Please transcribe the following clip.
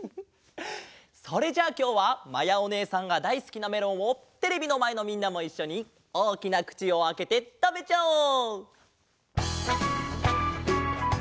それじゃあきょうはまやおねえさんがだいすきなメロンをテレビのまえのみんなもいっしょにおおきなくちをあけてたべちゃおう！